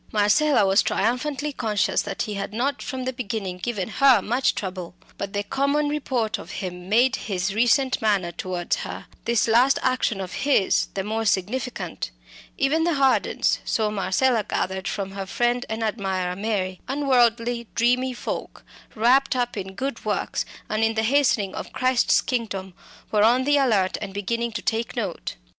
Marcella was triumphantly conscious that he had not from the beginning given her much trouble. But the common report of him made his recent manner towards her, this last action of his, the more significant. Even the Hardens so Marcella gathered from her friend and admirer Mary unworldly dreamy folk, wrapt up in good works, and in the hastening of Christ's kingdom, were on the alert and beginning to take note.